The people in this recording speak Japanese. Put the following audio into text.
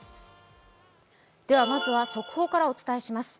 では、まずは速報からお伝えします。